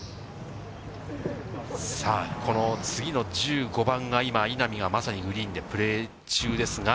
さあ、この次の１５番が今、稲見がまさにグリーンでプレー中ですが。